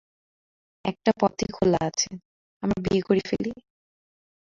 একটা পথই খোলা আছে, আমরা বিয়ে করে ফেলি।